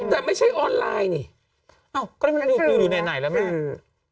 แต่ไม่ใช่ออนไลน์นี่อ้าวก็ไม่รู้คืออยู่ไหนแล้วแม่